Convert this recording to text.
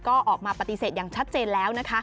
ก็ออกมาปฏิเสธอย่างชัดเจนแล้วนะคะ